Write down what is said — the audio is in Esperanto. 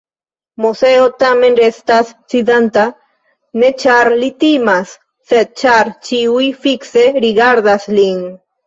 Moseo tamen restas sidanta, ne ĉar li timas, sed ĉar ĉiuj fikse rigardas lin.